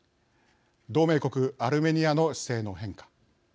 同盟国、アルメニアの姿勢の変化